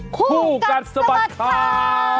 คู่กัดสะบัดข่าว